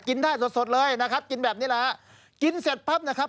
ได้สดสดเลยนะครับกินแบบนี้แหละฮะกินเสร็จปั๊บนะครับ